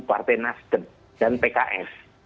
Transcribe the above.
partai nasdem dan pks